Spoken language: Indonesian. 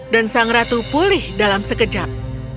dan sang ratu pulih dalam sekejap